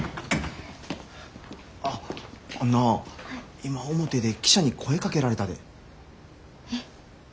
あっあんな今表で記者に声かけられたで。え？